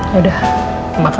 ya udah terima kasih ya